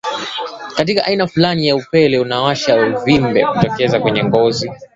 Katika aina fulani ya upele unaowasha uvimbe hutokeza kwenye ngozi